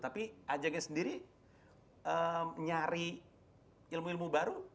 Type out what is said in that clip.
tapi ajangnya sendiri nyari ilmu ilmu baru